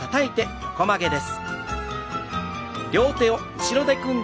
横曲げです。